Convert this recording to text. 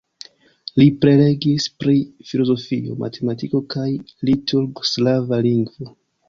Li prelegis pri filozofio, matematiko kaj liturg-slava lingvo.